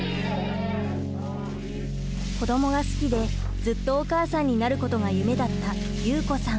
子どもが好きでずっとお母さんになることが夢だった祐子さん。